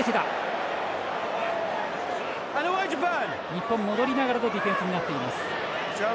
日本、戻りながらのディフェンスになっています。